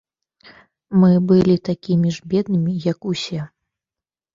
Мы былі такім ж беднымі, як усе.